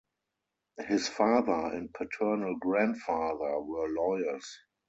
His father and paternal grandfather were lawyers.